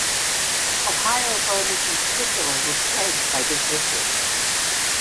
Ohio voters, in particular, were plagued by this issue.